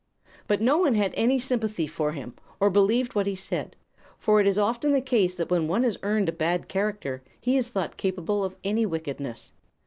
"But no one had any sympathy for him, or believed what he said; for it is often the case that when one has earned a bad character he is thought capable of any wickedness.